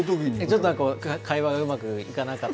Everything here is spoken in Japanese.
ちょっと会話がうまくいかなかった